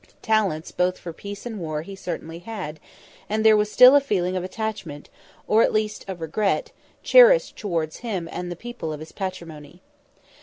Talents both for peace and war he certainly had, and there was still a feeling of attachment, or at least of regret, cherished towards him among the people of his patrimony.